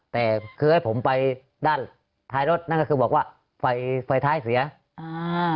แต่คือให้ผมไปด้านท้ายรถนั่นก็คือบอกว่าไฟไฟท้ายเสียอ่า